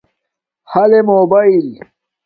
ھالے موباݵل